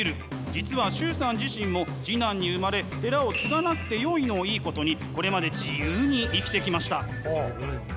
実は崇さん自身も次男に生まれ寺を継がなくてよいのをいいことにこれまで自由に生きてきました。